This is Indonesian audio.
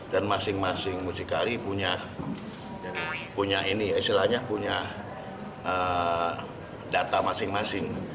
dan masing masing muncikari punya data masing masing